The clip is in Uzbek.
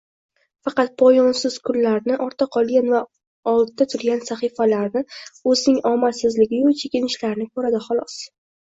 Faqat poyonsiz kunlarni, ortda qolgan va oldda turgan sahifalarni, oʻzining omadsizligiyu chekinishlarini koʻradi, xolos